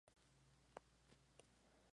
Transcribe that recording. Es sede del condado de Montcalm.